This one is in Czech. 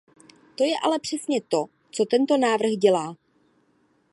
To je ale přesně to, co tento návrh dělá.